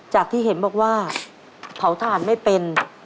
จากที่เห็นบอกว่าเผาทหารไม่เป็น